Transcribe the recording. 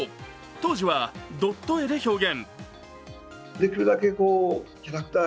当時はドット絵で表現。